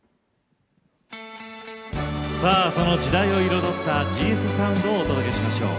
その時代を彩ったＧＳサウンドをお届けしましょう。